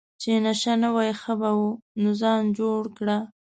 چې نشه نه وای ښه به وو، نو ځان جوړ کړه.